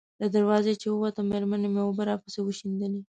له دروازې چې ووتم، مېرمنې مې اوبه راپسې وشیندلې.